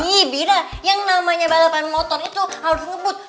ih bira yang namanya balapan motor itu harus ngebut